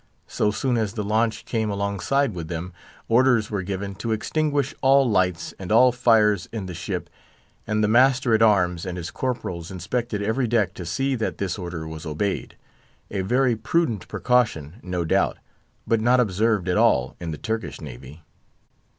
So soon as the launch came alongside with them, orders were given to extinguish all lights and all fires in the ship; and the master at arms and his corporals inspected every deck to see that this order was obeyed; a very prudent precaution, no doubt, but not observed at all in the Turkish navy.